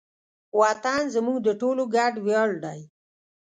وطن زموږ د ټولو ګډ ویاړ دی.